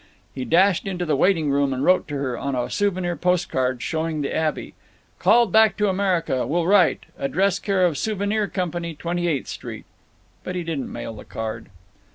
He dashed into the waiting room and wrote to her, on a souvenir post card showing the Abbey: "Called back to America—will write. Address care of Souvenir Company, Twenty eighth Street." But he didn't mail the card.